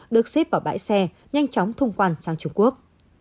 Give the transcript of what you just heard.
tức xếp vào bãi xe nhanh chóng thung quan sang trung quốc